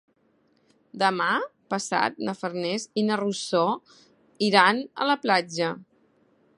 Demà passat na Farners i na Rosó iran a la platja.